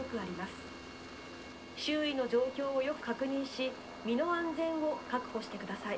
周囲の状況をよく確認し身の安全を確保してください」。